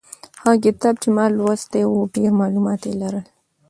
هغه کتاب چې ما لوستی و ډېر معلومات یې لرل.